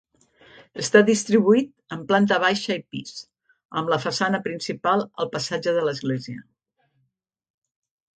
Està distribuït en planta baixa i pis, amb la façana principal al passatge de l'Església.